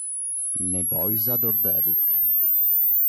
Nebojša Đorđević